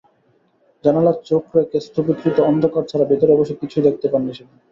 জানালায় চোখ রেখে স্তুপিকৃত অন্ধকার ছাড়া ভেতরে অবশ্য কিছুই দেখতে পাননি সেদিন।